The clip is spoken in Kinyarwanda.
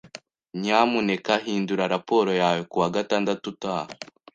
Nyamuneka hindura raporo yawe kuwa gatandatu utaha.